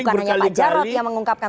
dan bukan hanya pak jarot yang mengungkapkan